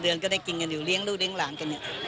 เดือนก็ได้กินกันอยู่เลี้ยงลูกเลี้ยงหลานกันเนี่ย